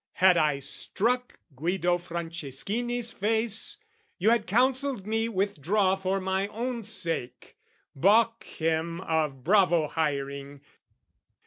Had I struck Guido Franceschini's face, You had counselled me withdraw for my own sake, Baulk him of bravo hiring.